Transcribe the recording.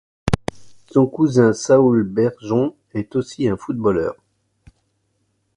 Son cousin Saúl Berjón est aussi un footballeur.